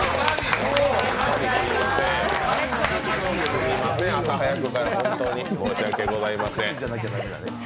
すみません、朝早くから本当に申しわけございません。